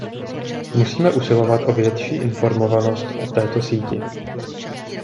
Musíme usilovat o větší informovanost o této síti.